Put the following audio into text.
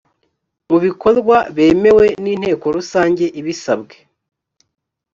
mu bikorwa bemewe n inteko rusange ibisabwe